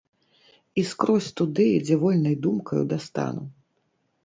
І скрозь туды, дзе вольнай думкаю дастану.